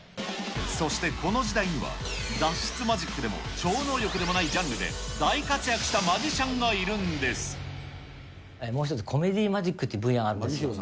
そしてこの時代には、脱出マジックでも超能力でもないジャンルで大活躍したマジシャンもう一つ、コメディーマジックっていう分野があるんですよ。